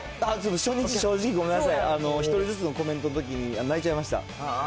初日正直、ごめんなさい、１人ずつのコメントのときに泣いちゃいました。